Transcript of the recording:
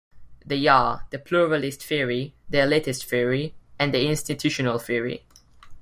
They are; the pluralist theory, the elitist theory, and the institutional theory.